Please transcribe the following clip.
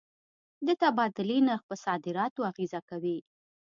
د تبادلې نرخ پر صادراتو اغېزه کوي.